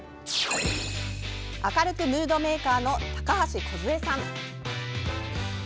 明るくムードメーカーの高橋こず恵さん。